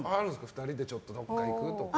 ２人でちょっとどこか行くとか。